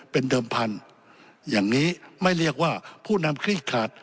เป็นเดิมพันธุ์อย่างนี้ไม่เรียกว่าผู้นำคลี่ขาด